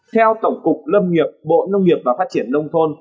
theo tổng cục lâm nghiệp bộ nông nghiệp và phát triển nông thôn